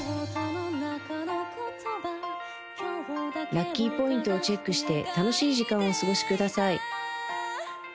ラッキーポイントをチェックして楽しい時間をお過ごしください